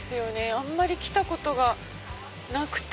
あんまり来たことがなくて。